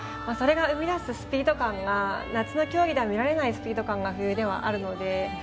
それが生み出すスピード感が夏の競技では見られないスピード感が冬ではあるので。